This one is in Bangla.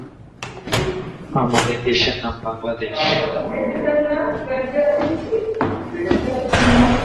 প্রথমদিকে তারা ইসরায়েলি অধিকৃত অঞ্চলে সাফল্য লাভ করে।